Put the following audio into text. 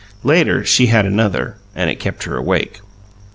Later she had another, and it kept her awake.